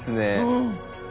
うん。